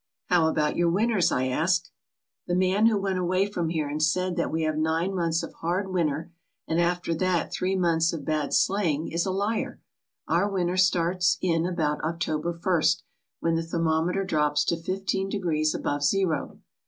" "How about your winters?" I asked. "The man who went away from here and said that we have nine months of hard winter and after that three months of bad sleighing is a liar. Our winter starts in about October i st, when the thermometer drops to fifteen degrees above zero.